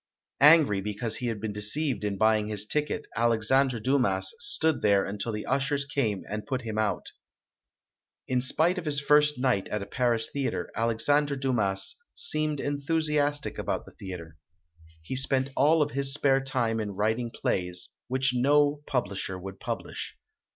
Angry be cause he had been deceived in buying his ticket, Alexandre Dumas stood there until the ushers came and put him out. In spite of his first night at a Paris theatre, Alexandre Dumas seemed enthusiastic about the theatre. He spent all of his spare time in writing 242 ] UNSUNG HEROES plays, which no publisher would publish.